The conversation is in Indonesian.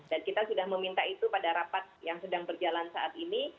dan kita sudah meminta itu pada rapat yang sedang berjalan saat ini